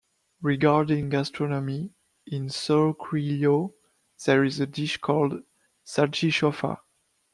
Regarding gastronomy, in Surquillo there is a dish called "salchichaufa".